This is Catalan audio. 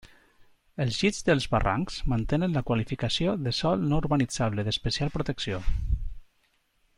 Els llits dels barrancs mantenen la qualificació de sòl no urbanitzable d'especial protecció.